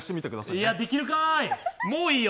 いや、できるかーい。